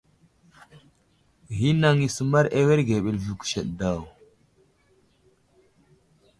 Ghinaŋ i səmar awerge ɓəlvi kuseɗ daw.